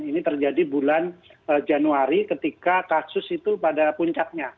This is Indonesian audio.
ini terjadi bulan januari ketika kasus itu pada puncaknya